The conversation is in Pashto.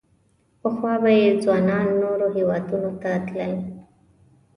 پخوا به یې ځوانان نورو هېوادونو ته تلل.